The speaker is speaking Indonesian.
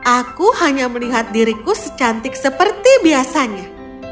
aku hanya melihat diriku secantik seperti biasanya